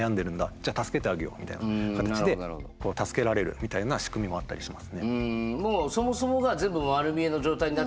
じゃあ助けてあげようみたいな形で助けられるみたいなしくみもあったりしますね。